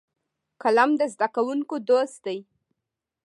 قلم د زده کوونکو دوست دی